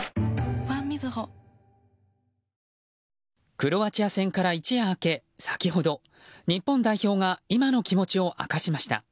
クロアチア戦から一夜明け先ほど、日本代表が今の気持ちを明かしました。